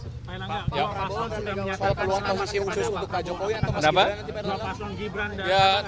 pak prabowo sudah menyatakan soal peluang komisi khusus untuk pak jokowi atau mas gibran